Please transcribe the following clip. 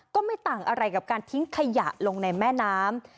ก็ไม่ต่างอะไรกับการทิ้งขยะลงในแม่น้ำ